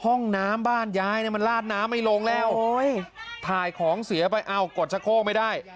ห้องน้ำบ้านยายเนี่ยมันลาดน้ำไม่ลงแล้วถ่ายของเสียไปเอ้ากดชะโคกไม่ได้